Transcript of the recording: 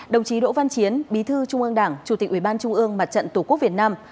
đồng chí đỗ văn chiến bí thư trung ương đảng chủ tịch ubnd mặt trận tổ quốc việt nam